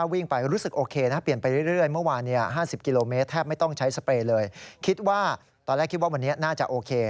ว่าตอนแรกคิดว่าวันนี้น่าจะโอเค